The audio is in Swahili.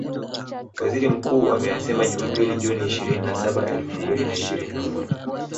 Waziri Mkuu ameyasema Jumapili Juni ishirini na saba elfu mbili na ishirini na moja